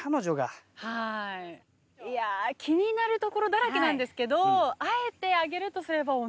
いや気になるところだらけなんですけどあえて挙げるとすれば。